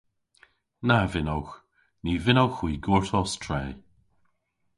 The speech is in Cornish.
Na vynnowgh. Ny vynnowgh hwi gortos tre.